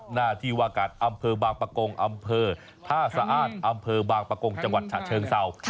หน้าที่ว่าการอำเภอบางประกงอำเภอท่าสะอ้านอำเภอบางประกงจังหวัดฉะเชิงเศร้า